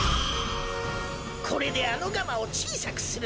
これであのガマをちいさくするのだ。